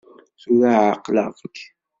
Tura ɛeqleɣ-k!